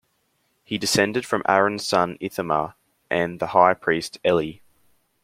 He descended from Aaron's son Ithamar and the high priest Eli.